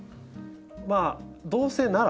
まあどうせなら。